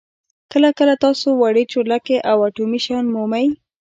کله کله تاسو وړې چورلکې او اټومي شیان مومئ